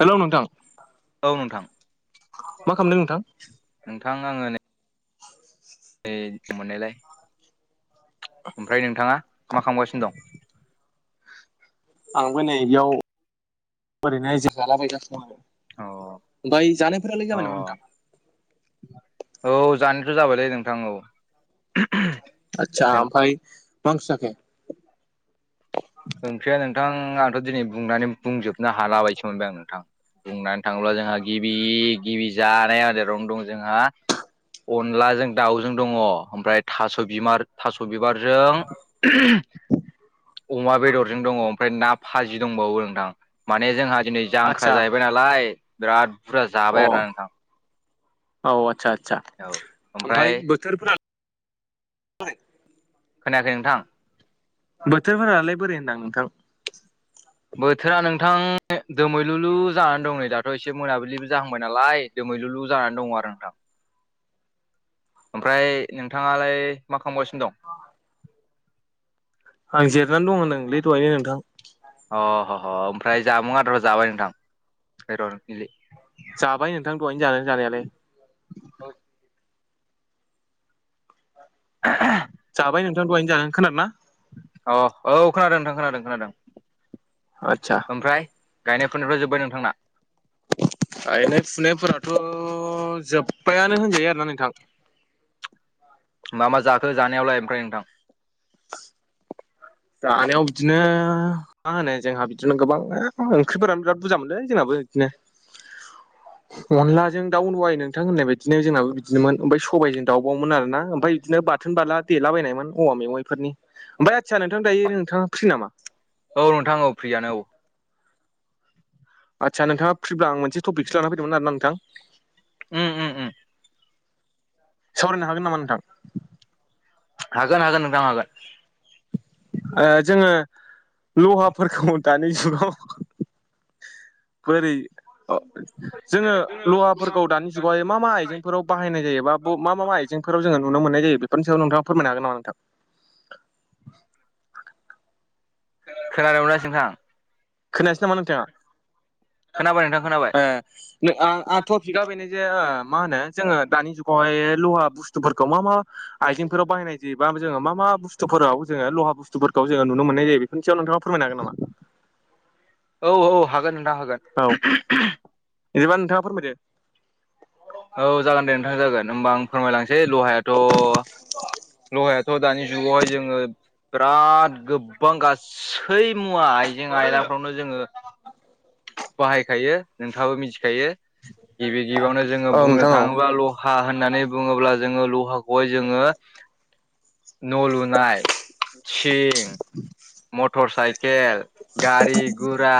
Hello नोंथां औ नोंथां। मा खामदों नोंथां? नोंथां आङो नै नै मोननायलाय ओमफ्राय नोंथाङा मा खामगासिनो दं? आंबो नै बेयाव ओरैनो आयजो जालाबायगासिनो दं अ आरो ओमफाय जानायफोरालाय अ जाबाय नामा नोंथां? औ जानोथ' जाबायलै नोंथां औ। आतसा ओमफाय मा ओंख्रि जाखो? ओंख्रिया नोंथां आंथ' दिनै बुंनानै बुंजोबनो हालाबायदिसो मोनबाय आं नोंथां। बुंनानै थाङोब्ला जोंहा गिबि गिबि जानाय आदारावनो दं जोंहा अनलाजों दाउजों दङ' ओमफ्राय थास' बिमार थास' बिबारजों [inaudible] अमा बेदरजों दङ' ओमफाय ना भाजि दंबावो नोंथां माने जोंहा दिनै जांख्रा आदसा जाहैबाय नालाय लाय बिराद बुरजा अ जाबाय आरोना नोंथां। औ आतसा आतसा औ ओमफ्राय ओमफाय बोथोरफोरालाय [unintelligible] खोनायाखै नोंथां? बोथोरफोरालाय बोरै होनदांआं नोंथां? बोथोरा नोंथां दोमैलुलु जानानै दं नै दाथ' एसे मोनाबिलिबो जाहांबाय नालाय। दोमैलुलु जानानै दङ' आरो। [inaudible] ओमफ्राय नोंथाङालाय मा खामगासिनो दं? आं जिरनानै दं होनदोंलै दहायनो नोंथां? अ ह ह ओमफ्राय जामुं आदार ल' जाबाय नोंथां ओइ र' जाबाय नोंथां दहायनो जाबखय जानायालाय जाबाय नोंथां दहाय जागोन खोनाना? अ औ खोनादों नोंथां खोनादों खोनादों। आतसा। ओमफ्राय गायनाय फुनायफ्रा जोब्बाय नोंथां? गायनाय फुनायफोराथ' जोब्बायानो होनजायो आरोना नोंथां। मा मा जाखो जानायावलाय ओमफ्राय नोंथां? जानायाव बिदिनो मा होनो जोंहा बिदिनो गोबां ओंख्रिफोरानो बिराद बुरजा मोनलै जोंनाबो बिदिनो। अनलाजों दाउ दहाय नोंथां होननाय बादि बिदिनो जोंनाबो बिदिनोमोन ओमफ्राय सबायजों दावउबावोमोन आरो ना ओमफ्राय बिदिनो बाथोन बाला देलाबायनायमोन औवा मेवाइफोरनि। ओमफ्राय आदसा नोंथां दायो नोंथाङा फ्रि नामा? औ नोंथां औ फ्रियानो औ। आदसा नोंथाङा फ्रिब्ला आं मोनसेटपिकसो लानानै फैदोंमोन आरो ना नोंथां ओम ओम। सावरायनो हागोन नामा नोंथां हागोन हागोन नोंथां हागोन [unintelligible] जोङो लहाफोरखौ दानि जुगाव बोरै अ जोङो लहाफोरखौ दानि जुगावहाय मा मा आइजेंफोराव बाहायनाय जायोबा मा मा आइजेंफोराव जोङो। नुनो मोननाय ज बेफोरनि सायाव नोंथा फोरनो हागोन नामा नोंथां? खोनादों नोंथां खोनायासै नामा नोंथाङा खोनाबाय नोंथां खोनाबाय ए टपिकआ बेनो जे मा होनो जोङो दानि जुगावहाय लहा बुस्थुफोरखौ मा मा आइजेंफोराव बाहायनाय जायोबा जो मा मा बस्थुावो लहा बुस्थुफोरखौ जोङो नु मोननाय जायो बे खनसे नोंथाङ फोरमाय हागोनामा औ औ हागोन नोंथां हागोन बिदिबा नोंथाङा फोरमायदो औ जागोन दे नोंथां जागोन होमबा आं फोरमायलांसै लहायाथ' लहायाथ' दानि जुगावहाय जोङो बिराद गोबां गासै मुवा आइजें आयलाफ्रावनो जोङो बाहायखायो नोंथाङाबो मिथिखायो गिबि गिबियावनो जोङो औ बुंनो नोंथां औ थाङोब ल' हा होननानै बुङोब्ला जोङो लहाखौहाय जोङो न' लुनाय सिं मटर साइकेल गारि गुरा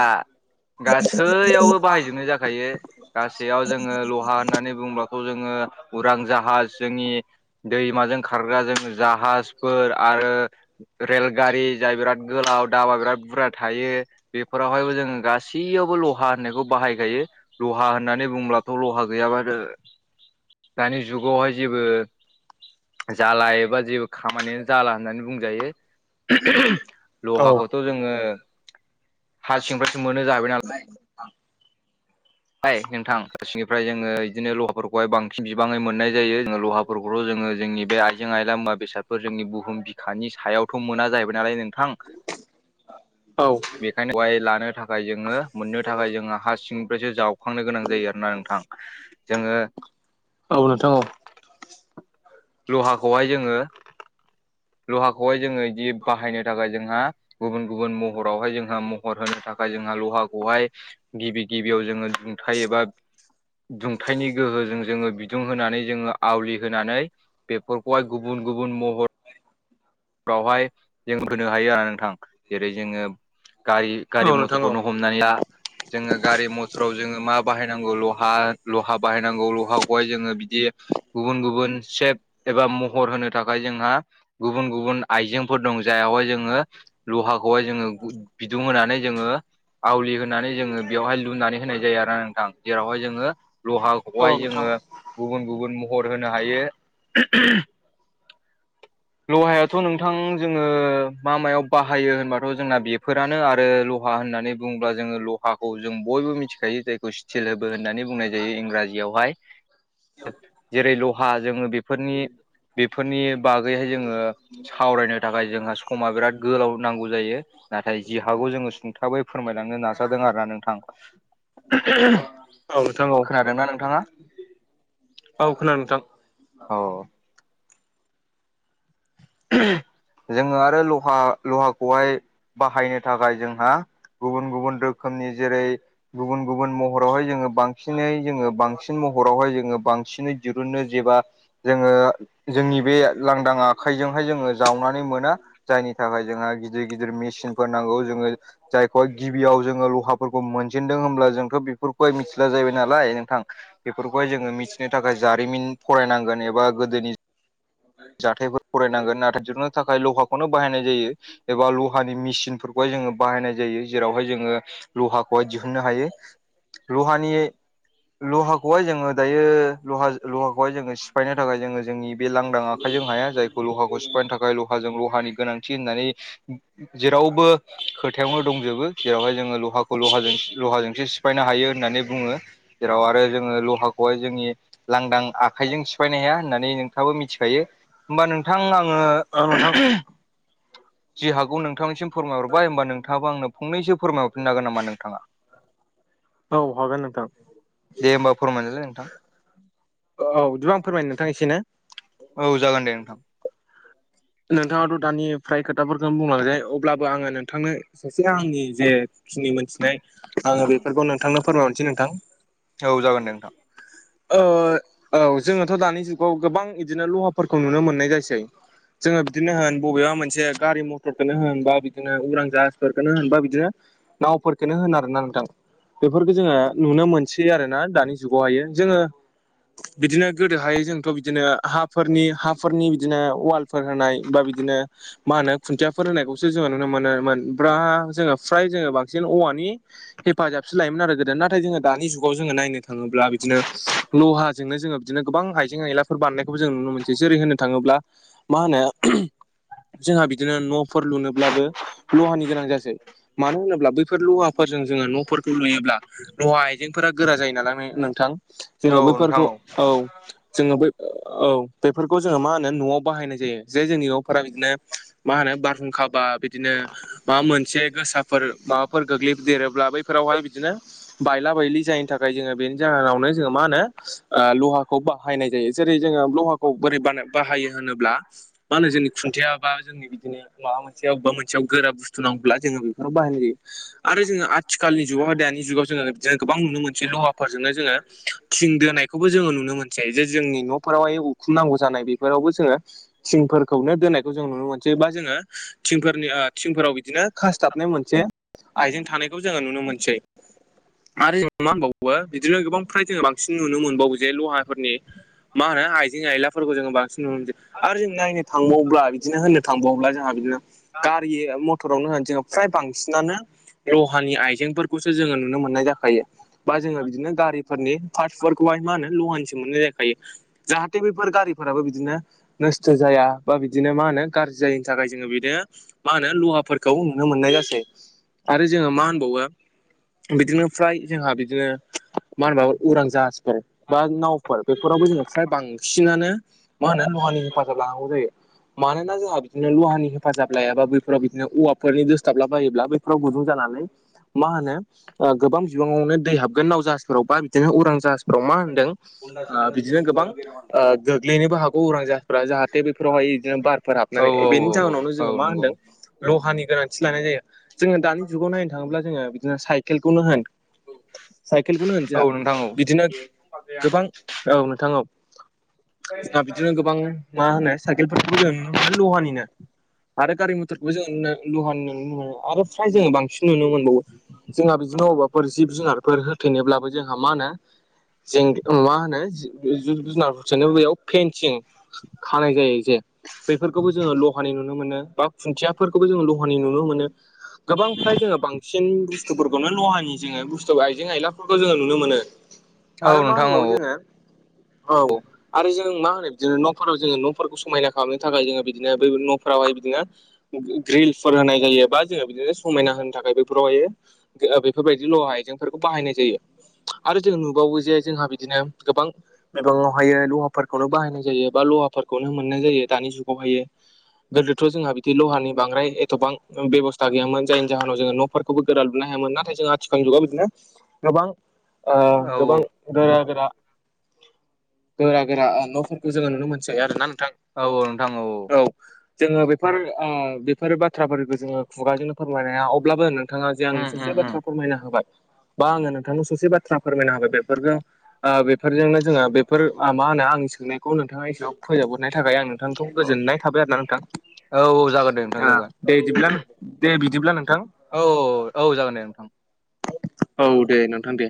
गासैयावबो बाहायजोबनाय जाखायो गासैयाव जोङो लहा होननानै बुंब्ला खौ जोङो उरां जाहाज जोंनि दैमाजों खारग्रा जों जाहाजफोर आरो रेलगारि जाय बिराद गोलाव दाबा बिराद बुरजा थायो बेफोरावहायबो जोङो गासैयावबो लहा होननायखौ बाहायगोन लहा होननानै बुंब्लाथ' लहा गैयाबा दानि जुगावहाय जेबो जाला एबा जेबो खामानियानो जाला होननानै बुंजायो औ लहाखौथ' जोङो हा सिंनिफ्रायसो मोनो जाहैबाय आसिाब इ नोंथां ग सिनिफ्राय जोङो बिदिनो लहाफोरखौहाय बांसिन बिबाङै मोननाय जायो जोङो लहाफोरखौथ' जोङो जोंनि बे आइ जों आइला मुवा बेसादफोर जोंनि बुहुम बिखानि सायावथ' मोना जाहैबाय नालाय नोंथां औ बेखायनो बेाय लानो थाखाय जोङो मोननो थाखाय जोङो हा सिंनिफ्रायसो जाव सखांनो गोनां जायो आरोोना नोंथां जोङो औ नोंथां औ लहाखौहाय जोङो लहाखौहाय जोङो बिदि बाहायनो थाखाय जोंहा गुबुन गुबुन महरावहाय जोंहा महर होनो थाखाय जोंहा लहाखौहाय गिबि गिबियाव जोङो दुंथाय एबा दुंथायनि गोहोजों जोङो बि दुं होनानै जोङो आवलि होननानै गुबन गुबुन महर फ्रावहाय जों होनो हायो आरो नोंथां जेरै जोङो गारि औ गारि नोंथां औ मथरखौनो हम हमनानै ला जोङो गारि मथराव जोङो मा बाहायनांगौ लहा लहा बाहायनांगौ लहाखौहाय जोङो बि दि गुबुन गुबुन सेब एबा महर होनो थाखाय जोंहा गुबुन गुबुन आइजेंफोर दं जाय यावहाय जोङो लहाखौहाय जोङो बिदुं होनानै जोङो आवलि होनानै जोङो बेवहाय लुनानै होनाय जायो आरो ना नोंथां जेरावहाय जोङो लहा औ खौहाय नोंथां जोङो गुबुन गुबुन महर होनो हायो लहायाथ' नोंथां जोङो मा मायाव बाहायो होनबाथ' जोंना बेफोरानो आरो लहा होननानै बुङोब्ला जोङो लहाखौ जों बयबो मिथिखायो जायखौ [unintelligible] होननानै बुंनाय जायो इंराजियावहाय जेरै लहा जोङो बेफोरनि बेफोरनि बागैहाय सावरायनो थाखाय जोंहा सम मा बिराद गोलाव नांगौ जायो नाथाय जि हागौ जोङो सुंथाबै फोरमायलांनो नाजादों आरोना नोंथां औ नोंथां खोनादोंना नोंथाङा औ खोनादों नोंथां औ जोङो आरो लहा लहाखौहाय बाहायनो थाखाय जोंहा गुबुन गुबुन रोखोमनि जेरै गुबुन गुबुन महरावहाय जोङो बांसिनै जोङो बांसिन महरावहाय जोङो बांसिनै दिरुनो जेबा जोङो जोंनि बे लांदाङा खाइजोंहाय जोङो जावनानै मोना जायनि थाखाय जोंहा गिदिर गिदिर मेसिनफोर नांगौ जोङो जायखौहाय गिबियाव जोङो लहाफोरखौ मोनजेनदों होमब्ला जोंथ बिब फोरखौहाय मिथिला जाहैबाय नालाय नोंथां बेफोरखौहाय जोङो मिथिनो थाखाय जारिमिन फरायनांगोन एबा गोदोनि जाथायफोर फरायनांगोन नाथाय दिरुननो थाखाय लहाखौनो बाहायनाय जायो एबा लहानि मेसिनफोरखौहाय जोङो बाहायनाय जायो जेरावहाय जोङो लहाखौहाय दिहुननो हायो लहानि लहाखौहाय जोङो दायो लहा लहाखौहाय जोङो सिफायनो थाखाय जोङो जोंनि बे लांदां आ खायजों हाया जायखौ लहाखौ सिफायनो थाखाय लहाजों लहानि गोनांथि होननानै जेरावबो खोथायावनो दंजोबो जेरावहाय जोङो लहाखौ लाहाजों लहाजोंसो सिफायनो हायो होननानै बुङो जेराव आरो जोङो लहाखौहाय जोंनि लांदां आखाइजों सिफायनो हाया होननानै नोंथाङाबो मि थिखायो होमबा नोंथां आङो औ नोंथां जि हागौ नोंथांनिसिम फोरमाय हरबाय होनबा नोंथाङाबो आंनो फंनैसो फोरमायहरफिननो हागोन नामा नोंथाङा औ हागोन नोंथां दे होमबा फोरमायनायलाय नोंथां औ बिदिबा आं फोरमायनो नोंथां एसे ना औ जागोन दे नोंथां नोंथाङाथ' दानि फ्राय खोथाफोरखौनो बुंलांजोबाय अब्लाबो आङो नोंथांनो सासे आंनि जे खिनि मोनथिनाय आङो बेफोरखौ नोंथांनो फोरमायहरनोसै नोंथां औ जागोन नोंथां ओ औ जोङोथ' दानि जुगाव गोबां बिदिनो लहाफोरखौ नुनो मोननाय जासै जोङो बिदिनो होन बबेबा मोनसे गारि मथरखौनो होनबा बिदिनो उरां जाहाजफोरखौनो होन बा बिदिनो नावफोरखोनो होन आरोना नोंथां बेफोरखौ जोङो नुनो मोनसै आरोना दानि जुगावहायो जोङो बिदिनो गोदोहाय जोंथ' बिदिनो हाफोरनि हाफोरनि बिदिनो वाल फोर होनाय बा बिदिनो मा होनो खुन्थियाफोर होनायखौसो जोङो नुनो मोनो मोन बा जोङो फ्राय जोङो बांसिन औवानि हेफाजाबसो लायोमोन आरो गोदो नाथाय जोङो दानि जुगाव जोङो नायनो थाङोब्ला बिदिनो लहाजोंनो जोङो बिदिनो गोबां आइजें आयलाफोर बानायनायखौबो जों नुनो मोनसै जेरै होनो थाङोब्ला मा होनो जोंहा बिदिनो न'फोर लुनोब्लाबो लहानि गोनां जासै मानो होनोब्ला बैफोर लहाफोरजों जोङो न'फोरखौ लुयोब्ला नवा आइजेंफोरा गोरा जायो नालाय नोंथां औ जोङो नोंथां बैफोरखौ औ जोङो बै औ बेफोरखौ जोङो मा होनो न'आव बाहायनाय जायो जे जोंनि न'फोरा बिदिनो मा होनो बारहुंखाबा बिदिनो माबा मोनसे गोसाफोर माबाफोर गोग्लैदेरोब्ला बैफोरावहाय बिदिनो बायला बायलि जायैनि थाखाय जोङो बेनि जाहोनावनो जों मा होनो लहाखौ बाहायनाय जायो जेरै जोङो लहाखौ बोरै बा बाहायो होनोब्ला मा होनो जोंनि खुन्थिया बा जोंनि बिदिनो माबा मोनसे बा मोनसेयाव गोरा बुस्थु नांगौब्ला जोङो बेफोरखौ बाहायनाय जायो आरो जोङो आथिखालनि जुगाव दानि जुगाव जोङो गोबां नुनो मोनसै लहाफोरजोंनो जोङो थिं दोनायखौबो जोङो नुनो मोनसै जे जोंनि न'फोरावहाय उखुम नांगौ जानाय बेफोरावबो जोङो थिंफोरखौनो दोननायखौ जों नुनो मोनसै बा जोङो थिंफोरनि थिंफोराव बिदिनो खासथाबनाय मोनसे आइजें थानाय जों नुनो मोनसै आरो होनबा मा होनबावो बिदिनो गोबां फ्राय जोङो बांसिन नुनो मोनबावो जों लहाफोरनि मा होनो आइजें आयलाफोरखौ जोङो बांसिन नुनो मोनो आरो जों नायनो थांबावब्ला बिदिनो होननो थांबावोब्ला जोंहा बिदिनो मथरावनो होनानै जोङो फ्राय बांसिनानो लहानि आइजेंफोरखौसो जोङो नुनो मोननाय जाखायो बा जोङो बिदिनो गारिफोरनि पार्टफोरखौहाय मा होनो लहानिसो मोननाय जाखायो जाहाथे बेफोर गारिफोराबो बिदिनो नस्थ' जाया बा बिदिनो मा होनो गाज्रि जायिनि थाखाय जोङो बिदिनो मा होनो लहाफोरखौ नुनो मोननाय जासै आरो जोङो मा होनबावो बिदिनो फ्राय जोंहा बिदिनो मा होनबा उरां जाहाजफोर बा नावफोर बेफोरावबो जोङो फ्राय बांसिनानो मा होनो लहानि हेफाजाब लानांगौ जायो मानोना जोंहा बिदिनो लहानि हेफाजाब लायाबा बैफोराव बिदिनो औवाफोरनि दोसथाबलाबायोब्ला बैफोराव गुदुं जानानै मा होनो गोबां बिबाङावनो दै हाबगोन नाव जाहाजफोराव बा बिदिनो उरां जाहाजफोराव मा होनदों खुनदा ओ सुनदानि बिदिनो जेबो गोबां गोनांथि गैलिया ओ गोग्लैनोबो हागौ उरां जाहा फोरा जाहाथे बेफोरावहाय बिदिनो बारफोर औ हाबनानै औ बेनि औ जाहोनावनो औ जोङो मा नंगौ होनदों लहानि गोनांथि लानाय जायो जोङो दानि जुगाव नायनो थाङोब्ला जोङो बिदिनो साइकेलखौनो होन औ खेलखौनो होनजाया नोंथां औ बिदिनो गोबां औ नोंथां औ जोंहा बिदिनो गोबां मा होनो साइकेल फोरखौबो जोङो नुनो मोनो लहानिनो आरो गारि मथरखौबो जों लहानि नुनो मोनो आरो फ्राय जोङो बांसिन नुनो मोनबावो जोंहा बिदिनो अबेबाफोर जिब जुनारफोर हो थैनोब्लाबो जोंहा मा होनो जें मा होनो जिब जुनारफोर होथेनो बेयाव पेन्सिं खानाय जायो जे बेफोरखौबो जोङो लहानि नुनो मोनो बा खुन्थियाफोरखौबो जोङो दहानि नुनो मोनो गोबां फ्राय जोङो बांसिन बुस्थुफोरखौनो लहानि जोङो बुस्थु आइजें आइला जोङो नुनो मोनो औ आरो मा नोंथां औ होनबावो जोङो औ आरो जों मा होनो बिदिनो न'फोराव जोङो न'फोरखौ समायना खालामनो थाखाय जोङो बिदिनो बै न'फोरावहाय बिदिनो ग्रिलफोर होनाय जायो बा जोङो बिदिनो समायना होनो थाखाय बेैफोरावहायो बेफोरबायदि ल' आइजेंफोरखौ बाहायनाय जायो आरो जों नुबावो जे जोंहा बिदिनो गोबां बिबाङावहायो ल'हाफोरखौनो बाहायनाय जायो बा ल'हाफोरखौनो मोननाय जायो दानि जुगावहायो गोदोथ' जोंहा बिदि ल'हानि बांद्राय एथ'बां बेबस्था गैयामोन जायनि जाहोनाव जोङो न' फोरखौबो गोरा लुनो हायामोन नाथाय जों आथिखाल जुगाव बिदिनो गोबां औ गोबां औ। गोरा गोरा गोरा गोरा न'फोरखौ जोङो नुनो मोनसै आरोना नोंथां औ-औ नोंथां औ-औ औ जोङो बेफोर बेफोरो बाथ्राफोरखौ जोङो खुगाजोंनो फोरमायनो हाया अब्लाबो नोंथाङा जे उम आंनो उम ससे उम बाथ्रा फोरमायनो होबाय बा आङो नोंथांनाव ससे बाथ्रा फोरमायना होबाय बेफोरजों आ बेफोरजोंनो जोङो बेफोर मा होनो आंनि सोंनाय खौ नोंथाङा एसेआव फोजोबहरनाय थाबाय आं नोंथांखौ गोजोननाय थाबाय आरो ना नोंथां औ औ जागोन दे नोंथां ओ जागोन दे दिब्ला दे बिदिब्ला नोंथां औ-औ-औ-औ जागोन दे नोंथां औ दे नोंथां दे